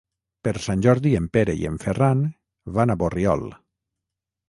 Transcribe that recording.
Per Sant Jordi en Pere i en Ferran van a Borriol.